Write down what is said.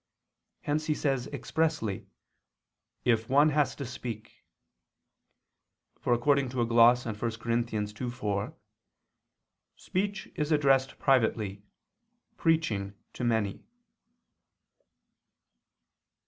Hence he says expressly: "If one has to speak." For according to a gloss on 1 Cor. 2:4, "Speech is addressed privately, preaching to many."